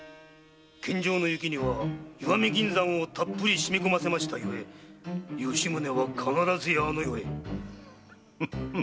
献上の雪には石見銀山をたっぷり染み込ませましたゆえ吉宗は必ずやあの世へ。